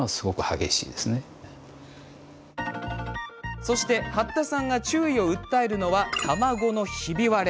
そして、八田さんが注意を訴えるのは卵のひび割れ。